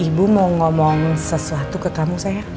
ibu mau ngomong sesuatu ke kamu saya